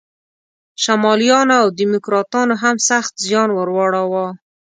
شمالیانو او دیموکراتانو هم سخت زیان ور واړاوه.